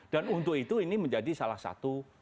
dan untuk itu ini menjadi salah satu